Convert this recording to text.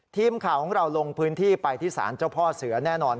ทีมข่าวของเราลงพื้นที่ไปที่ศาลเจ้าพ่อเสือแน่นอน